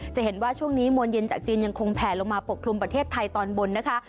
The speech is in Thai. จะเห็นว่าช่วงนี้มวลเย็นจากจีนยังคงแผลลงมาปกคลุมประเทศไทยตอนบนนะคะ